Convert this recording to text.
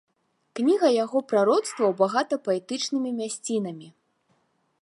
Кніга яго прароцтваў багата паэтычнымі мясцінамі.